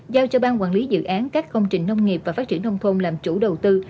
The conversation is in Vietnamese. giao cho bang quản lý dự án các công trình nông nghiệp và phát triển nông thôn làm chủ đầu tư